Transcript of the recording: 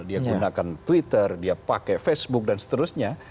dia gunakan twitter dia pakai facebook dan seterusnya